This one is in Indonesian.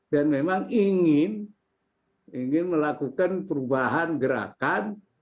dan memang ingin melakukan perubahan gerakan